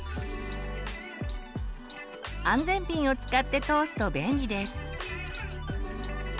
安全ピンを使って通すと便利です。